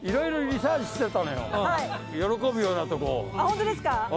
ホントですか？